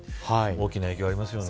大きな影響がありますよね。